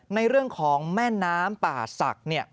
ในเรื่องของแม่น้ำป่าศักดิ์